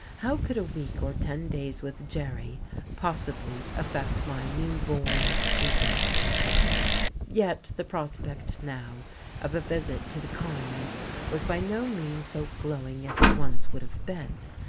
How could a week or ten days with Jerry possibly affect my newborn, resolve? Yet the prospect, now, of a visit to the Kymes' was by no means so glowing as it once would have been.